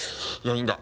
いいんだ